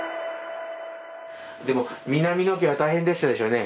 でも南野家は大変でしたでしょうね。